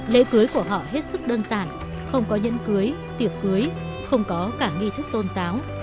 lễ cưới của họ hết sức đơn giản không có nhẫn cưới tiệc cưới không có cả nghi thức tôn giáo